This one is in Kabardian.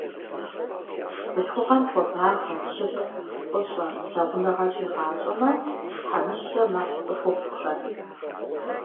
Бзылъхугъэм хуабагъэ, щытхъу, фӀыщӀэ, лъагъуныгъэ щигъащӀэмэ, тхьэмыщкӀэ мэхъу цӏыхухъухэр.